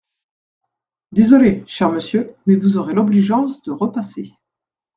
Désolé, cher monsieur, mais vous aurez l’obligeance de repasser…